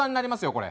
これ。